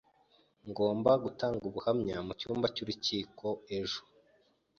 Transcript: Ngomba gutanga ubuhamya mu cyumba cy'urukiko ejo.